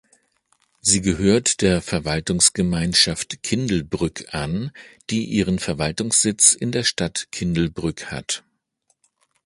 Sie gehört der Verwaltungsgemeinschaft Kindelbrück an, die ihren Verwaltungssitz in der Stadt Kindelbrück hat.